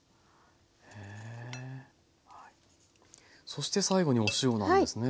そして最後にお塩なんですね。